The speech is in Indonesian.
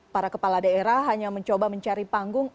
para kepala daerah hanya mencoba mencari panggung